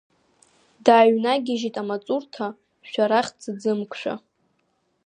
Дааҩнагьежьит амаҵурҭа шәарах ӡыӡымкшәа.